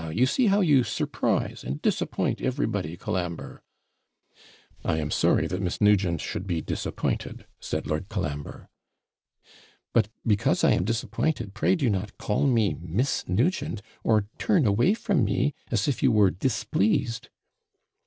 you see how you surprise and disappoint everybody, Colambre.' 'I am sorry that Miss Nugent should be disappointed,' said Lord Colambre. 'But because I am disappointed, pray do not call me Miss Nugent, or turn away from me, as if you were displeased.'